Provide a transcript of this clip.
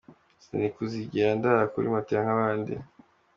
Sinari kuzigera ndara kuri matela nk’abandi”.